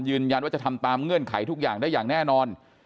ยืนยันว่าจะทำตามเงื่อนไขทุกอย่างได้อย่างแน่นอน